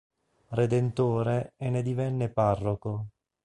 Redentore e ne divenne parroco.